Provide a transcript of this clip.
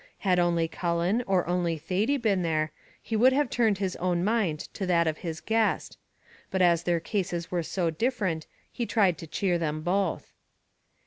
Had only Cullen or only Thady been there, he would have tuned his own mind to that of his guest; but as their cases were so different, he tried to cheer them both.